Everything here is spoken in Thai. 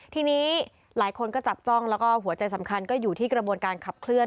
ทีนี้หลายคนก็จับจ้องแล้วก็หัวใจสำคัญก็อยู่ที่กระบวนการขับเคลื